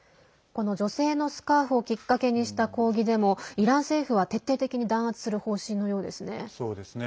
この女性のスカーフをきっかけにした抗議デモイラン政府は徹底的に弾圧する方針のようですね。